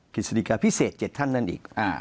กฤษฎิกาพิเศษ๗ท่านนั้นอีก